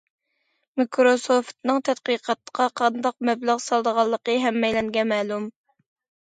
مىكروسوفتنىڭ تەتقىقاتقا قانداق مەبلەغ سالىدىغانلىقى ھەممەيلەنگە مەلۇم.